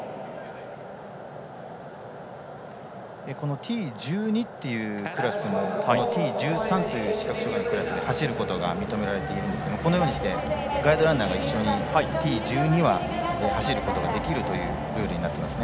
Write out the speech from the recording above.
Ｔ１２というクラスもＴ１３という視覚障がいのクラスで走ることが認められているんですがガイドランナーが一緒にＴ１２は走ることができるというルールになっています。